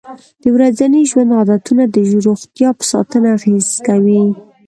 د ورځني ژوند عادتونه د روغتیا په ساتنه اغېزه کوي.